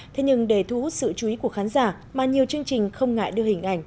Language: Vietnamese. thế nhưng để thu hút sự chú ý của khán giả mà nhiều chương trình không ngại đưa hình ảnh